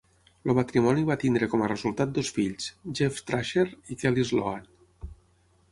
El matrimoni va tenir com a resultat dos fills: Jeff Thrasher i Kehly Sloane.